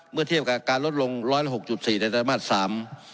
เมื่อเทียบกับการลดลงร้อย๖๔ในธรรมดา๓